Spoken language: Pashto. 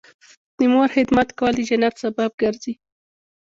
د مور خدمت کول د جنت سبب ګرځي